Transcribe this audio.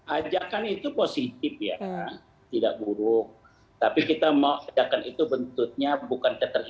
ajakan itu positif ya tidak buruk tapi kita mau ajakan itu bentuknya bukan keterlibat